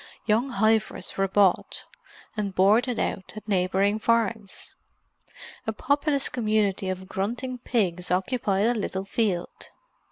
Young heifers were bought, and "boarded out" at neighbouring farms; a populous community of grunting pigs occupied a little field.